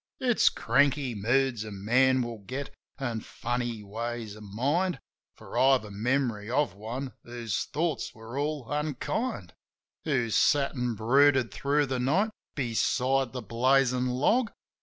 It's cranky moods a man will get an' funny ways of mind; For I've a memory of one whose thoughts were all unkind: Who sat an' brooded thro' the night beside the blazin' log.